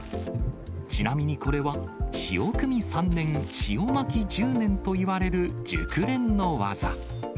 ちなみにこれは、潮くみ３年潮まき１０年といわれる熟練の技。